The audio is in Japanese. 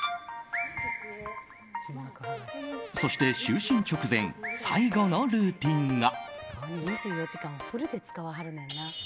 そして就寝直前最後のルーティンが。